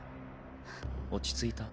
落ち着いた？